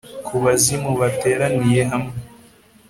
Kubazimu bateraniye hamwe